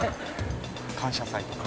『感謝祭』とか。